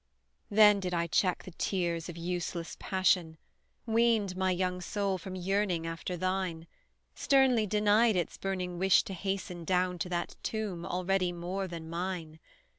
Then did I check the tears of useless passion Weaned my young soul from yearning after thine; Sternly denied its burning wish to hasten Down to that tomb already more than mine.